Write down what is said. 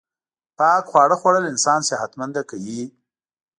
پاک خواړه خوړل انسان صحت منده کوی